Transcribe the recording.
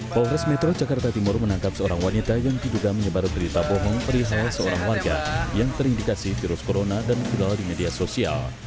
polres metro jakarta timur menangkap seorang wanita yang diduga menyebar berita bohong perihal seorang warga yang terindikasi virus corona dan viral di media sosial